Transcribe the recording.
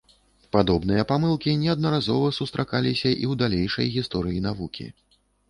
Падобныя памылкі неаднаразова сустракаліся і ў далейшай гісторыі навукі.